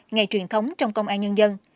ngày truyền thống trong công an nhân dân